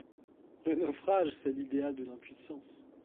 Le naufrage, c’est l’idéal de l’impuissance.